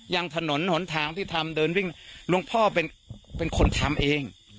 อย่างถนนหนทางที่ทำเดินวิ่งหลวงพ่อเป็นคนทำเอง